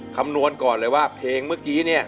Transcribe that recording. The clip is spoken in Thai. คำนวณก่อนเลยว่าเพลงเมื่อกี้เนี่ย